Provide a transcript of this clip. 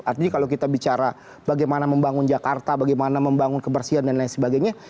artinya kalau kita bicara bagaimana membangun jakarta bagaimana membangun kebersihan dan lain sebagainya